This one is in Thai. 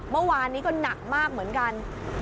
เมื่อวานนี้ก็หนักมากเหมือนกัน